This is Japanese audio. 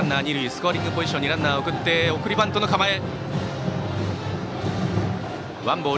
スコアリングポジションにランナーを送って送りバントの構え。